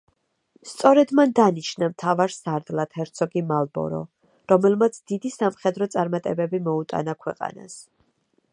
სწორედ მან დანიშნა მთავარ სარდლად ჰერცოგი მალბორო, რომელმაც დიდი სამხედრო წარმატებები მოუტანა ქვეყანას.